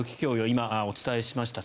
今、お伝えしました。